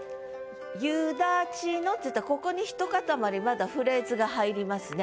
「夕立の」っていったらここにひと塊まだフレーズが入りますね。